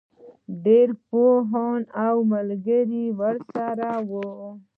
ډېری پوهان او ملګري ورسره وو.